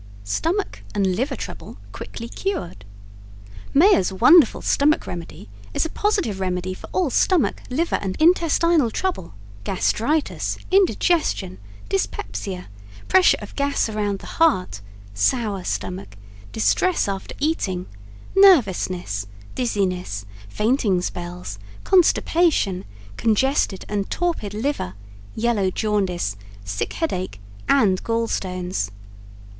Stomach and Liver Trouble Quickly Cured Mayr's Wonderful Stomach Remedy is a positive remedy for all Stomach, Liver and Intestinal Trouble, Gastritis, Indigestion, Dyspepsia, Pressure of Gas around the Heart, Sour Stomach, Distress After Eating, Nervousness, Dizziness, Fainting Spells, Constipation, Congested and Torpid Liver, Yellow Jaundice, Sick Headache and Gall Stones.